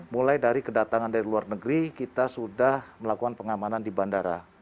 mulai dari kedatangan dari luar negeri kita sudah melakukan pengamanan di bandara